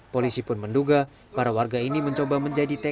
polisi pun menduga para warga ini mencoba menjajikan